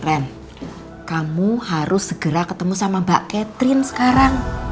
kamu harus segera ketemu sama mbak catherine sekarang